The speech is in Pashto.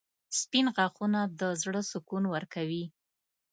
• سپین غاښونه د زړه سکون ورکوي.